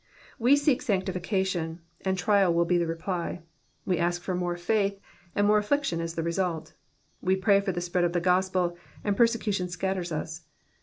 We seek sanc tification, and trial will be the reply : we ask for more faith, and more affliction is the result : we pray for the spread of the gospel, and persecution scatters us.